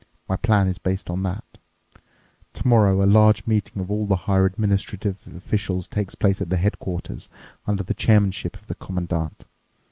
My plan is based on that. Tomorrow a large meeting of all the higher administrative officials takes place at headquarters under the chairmanship of the Commandant.